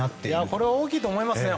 これは大きいと思います。